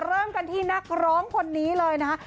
เริ่มกันที่นักร้องคนนี้เลยนะฮะ